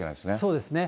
そうですね。